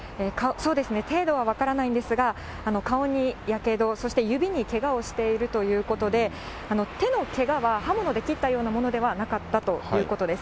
そうですね、程度は分からないんですが、顔にやけど、そして指にけがをしているということで、手のけがは、刃物で切ったようなものではなかったということです。